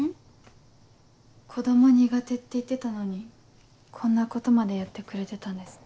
子供苦手って言ってたのにこんなことまでやってくれてたんですね。